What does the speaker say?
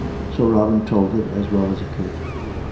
So Robin told it as well as he could.